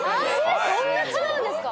そんな違うんですか？